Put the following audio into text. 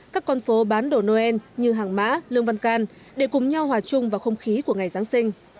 các con phố bán đồ noel như hàng mã lương văn can để cùng nhau hòa chung vào không khí của ngày giáng sinh